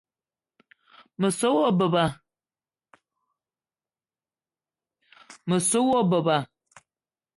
Me so wa beba